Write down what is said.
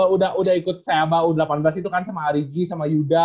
udah ikut seba u delapan belas itu kan sama arigi sama yuda